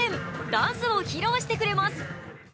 ダンスを披露してくれます。